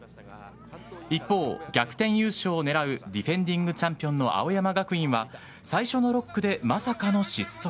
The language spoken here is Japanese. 一方、逆転優勝を狙うディフェンディングチャンピオンの青山学院は最初の６区でまさかの失速。